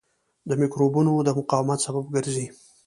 د مکروبونو د مقاومت سبب ګرځي.